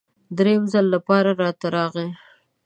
دریم ځل لپاره راته راغی.